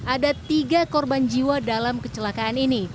ada tiga korban jiwa dalam kecelakaan ini